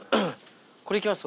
これいきます